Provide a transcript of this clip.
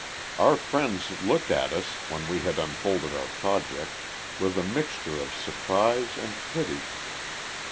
Our friends looked at us, when we had unfolded our project, with a mixture of surprise and pity.